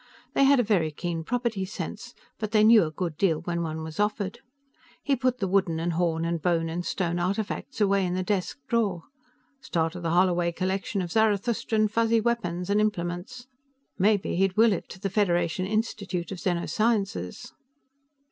They had a very keen property sense, but they knew a good deal when one was offered. He put the wooden and horn and bone and stone artifacts away in the desk drawer. Start of the Holloway Collection of Zarathustran Fuzzy Weapons and Implements. Maybe he'd will it to the Federation Institute of Xeno Sciences.